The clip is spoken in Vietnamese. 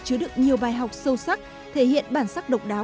chứa được nhiều bài học sâu sắc thể hiện bản sắc độc đáo